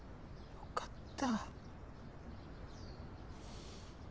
よかった。